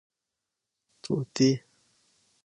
🦜 طوطي